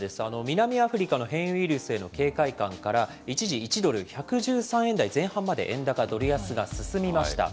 南アフリカの変異ウイルスへの警戒感から、一時１ドル１１３円台前半まで円高ドル安が進みました。